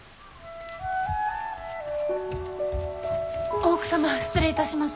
大奥様失礼いたします。